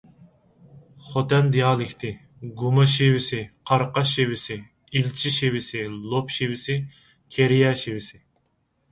خوتەن دىئالېكتى: گۇما شېۋىسى، قاراقاش شېۋىسى، ئىلچى شېۋىسى، لوپ شېۋىسى، كىرىيە شېۋىسى.